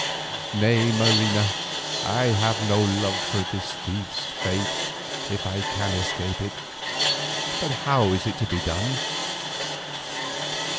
"Nay, Marina, I have no love for this thief's fate if I can escape it, but how is it to be done?"